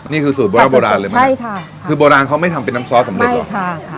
นี่คือสูตรโบราณโบราณเลยไหมใช่ค่ะคือโบราณเขาไม่ทำเป็นน้ำซอสสำเร็จหรอกค่ะ